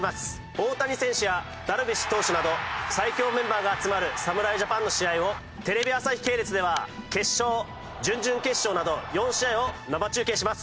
大谷選手やダルビッシュ投手など最強メンバーが集まる侍ジャパンの試合をテレビ朝日系列では決勝準々決勝など４試合を生中継します。